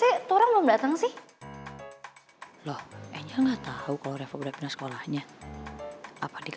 keliling ke dunia mana pak